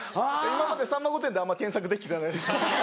今まで『さんま御殿‼』であんま検索できてないです。